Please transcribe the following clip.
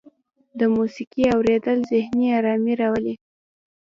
د موسیقۍ اوریدل ذهني ارامۍ راولي.